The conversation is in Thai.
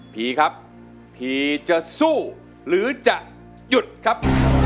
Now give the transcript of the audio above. ผีครับผีจะสู้หรือจะหยุดครับ